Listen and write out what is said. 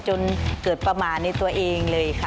จนเกิดประมาณในตัวเองเลยค่ะ